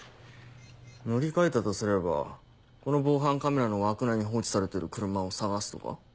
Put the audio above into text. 乗り換えたとすればこの防犯カメラの枠内に放置されてる車を探すとか？